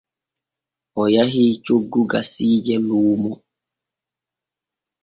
O yahi coggu gasiije luumo.